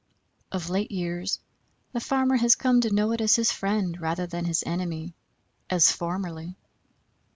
Of late years the farmer has come to know it as his friend rather than his enemy, as formerly.